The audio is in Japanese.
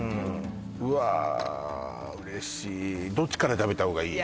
うわ嬉しいどっちから食べたほうがいい？